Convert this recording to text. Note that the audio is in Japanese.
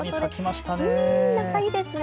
仲いいですね。